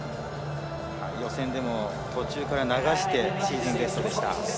予選でも途中から流してシーズンベストでした。